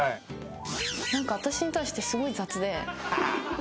「何か私に対してすごい雑で」